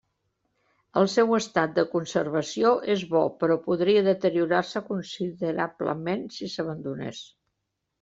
El seu estat de conservació és bo, però podria deteriorar-se considerablement si s'abandonés.